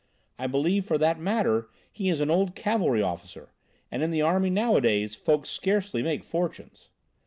I believe for that matter he is an old cavalry officer, and, in the army nowadays, folks scarcely make fortunes."